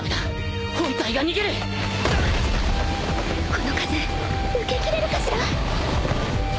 この数受けきれるかしら